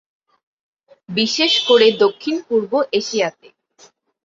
বিশেষ করে দক্ষিণপূর্ব এশিয়াতে।